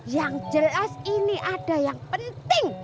yang jelas ini ada yang penting